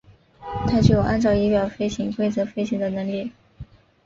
它具有按照仪表飞行规则飞行的能力。